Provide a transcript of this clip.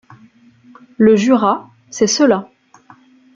Le Jura c'est cela.